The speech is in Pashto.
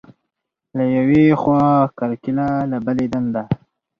له یوې خوا کرکیله، له بلې دنده.